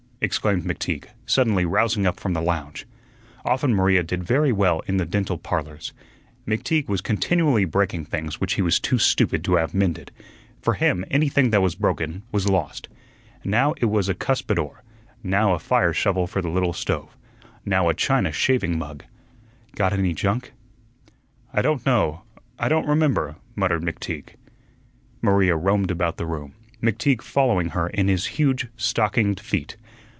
exclaimed McTeague, suddenly rousing up from the lounge. Often Maria did very well in the "Dental Parlors." McTeague was continually breaking things which he was too stupid to have mended; for him anything that was broken was lost. Now it was a cuspidor, now a fire shovel for the little stove, now a China shaving mug. "Got any junk?" "I don't know I don't remember," muttered McTeague. Maria roamed about the room, McTeague following her in his huge stockinged feet.